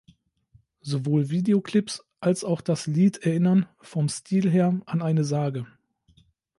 Sowohl Videoclip als auch das Lied erinnern, vom Stil her, an eine Sage.